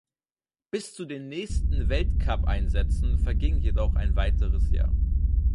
Bis zu den nächsten Weltcupeinsätzen verging jedoch ein weiteres Jahr.